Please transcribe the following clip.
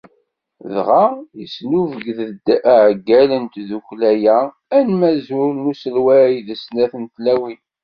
Dɣa yesnubget-d uɛeggal n tdukkla-a, anmazul n uselway d snat n tlawin.